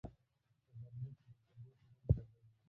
په غرمه کې د طبیعت رنگ بدل وي